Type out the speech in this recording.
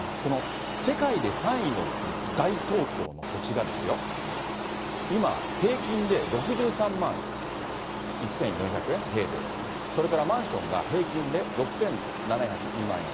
世界で３位の大東京の土地が、今、平均で６３万１４００円、平米で、それからマンションが平均で６７０２万円。